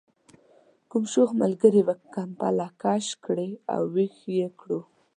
کوم شوخ ملګري به کمپله کش کړې او ویښ یې کړو.